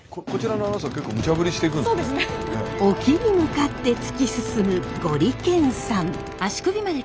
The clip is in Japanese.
沖に向かって突き進むゴリけんさん。